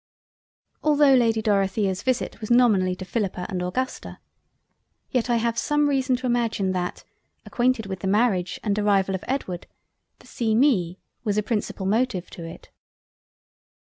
Altho' Lady Dorothea's visit was nominally to Philippa and Augusta, yet I have some reason to imagine that (acquainted with the Marriage and arrival of Edward) to see me was a principal motive to it.